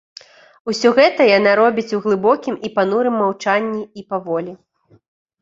Усё гэта яна робіць у глыбокім і панурым маўчанні і паволі.